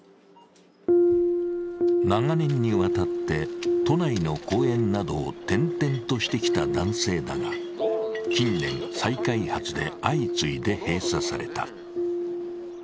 長年にわたって都内の公園などを転々としてきた男性だが、近年、再開発で相次いで閉鎖された。